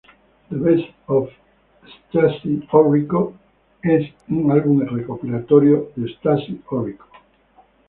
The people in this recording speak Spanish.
The Best of Stacie Orrico es una álbum recopilatorio de Stacie Orrico.